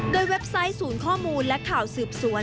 โดยเว็บไซต์ศูนย์ข้อมูลและข่าวสืบสวน